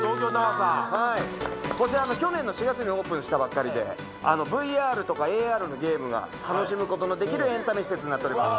こちら去年の４月にオープンしたばっかりでＶＲとかＡＲのゲームが楽しむ事のできるエンタメ施設になっております。